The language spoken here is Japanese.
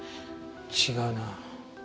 違うな。